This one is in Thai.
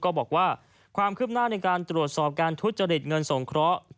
ความคืบหน้าในการตรวจสอบการทุจริตเงินสงเคราะห์